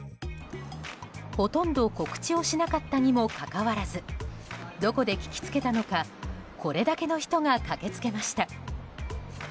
ほとんど告知をしなかったにもかかわらずどこで聞きつけたのかこれだけの人が駆け付けました。